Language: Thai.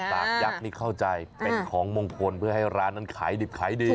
ยักษ์นี่เข้าใจเป็นของมงคลเพื่อให้ร้านนั้นขายดิบขายดี